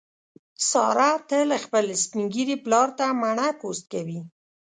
ساره تل خپل سپین ږیري پلار ته مڼه پوست کوي.